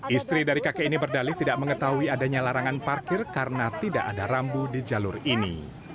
istri dari kakek ini berdalih tidak mengetahui adanya larangan parkir karena tidak ada rambu di jalur ini